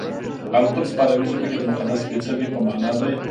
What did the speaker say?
القدس په عربي ژبه کې د مقدس سپېڅلي په مانا دی.